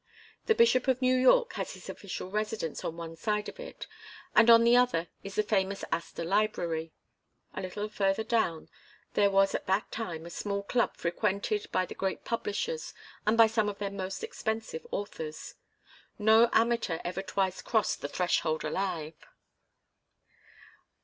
The Bishop of New York has his official residence on one side of it, and on the other is the famous Astor Library. A little further down there was at that time a small club frequented by the great publishers and by some of their most expensive authors. No amateur ever twice crossed the threshold alive.